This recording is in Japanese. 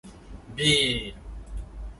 ビール